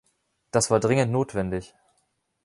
Das war dringend notwendig.